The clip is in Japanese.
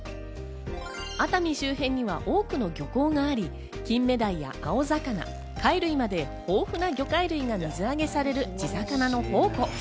熱海周辺には多くの漁港があり、金目鯛や青魚、貝類まで豊富な魚介類が水揚げされる地魚の宝庫。